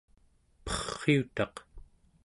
perriutaq